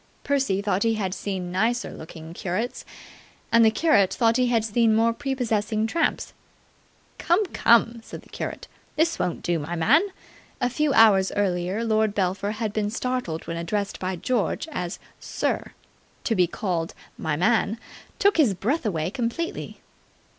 Percy thought he had seen nicer looking curates, and the curate thought he had seen more prepossessing tramps. "Come, come!" said the curate. "This won't do, my man!" A few hours earlier Lord Belpher had been startled when addressed by George as "sir". To be called "my man" took his breath away completely.